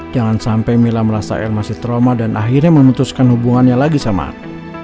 jangan sampai mila merasa r masih trauma dan akhirnya memutuskan hubungannya lagi sama ar